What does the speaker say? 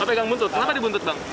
saya pegang buntut kenapa dibuntut bang